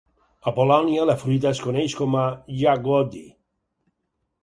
A Polònia, la fruita es coneix com a "jagody".